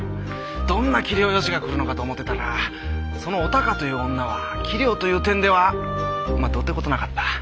どんな器量よしが来るのかと思ってたらそのお孝という女は器量という点ではまあどうって事なかった。